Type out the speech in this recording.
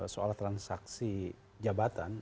soal transaksi jabatan